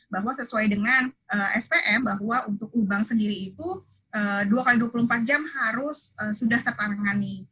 bahwa sesuai dengan spm bahwa untuk lubang sendiri itu dua x dua puluh empat jam harus sudah tertanangani